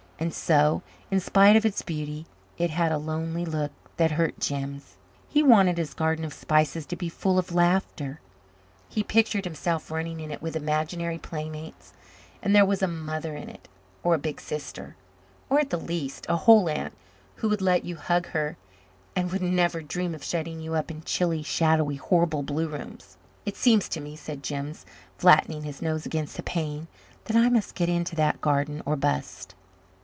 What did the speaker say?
And so, in spite of its beauty, it had a lonely look that hurt Jims. He wanted his Garden of Spices to be full of laughter. He pictured himself running in it with imaginary playmates and there was a mother in it or a big sister or, at the least, a whole aunt who would let you hug her and would never dream of shutting you up in chilly, shadowy, horrible blue rooms. "It seems to me," said Jims, flattening his nose against the pane, "that I must get into that garden or bust."